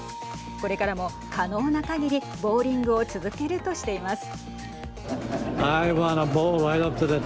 これからも可能なかぎりボウリングを続けるとしています。